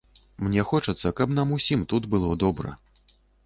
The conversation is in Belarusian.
Мне хочацца, каб нам усім тут было добра.